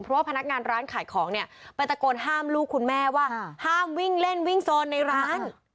เพราะว่าพนักงานร้านขายของเนี่ยไปตะโกนห้ามลูกคุณแม่ว่าห้ามวิ่งเล่นวิ่งโซนในร้าน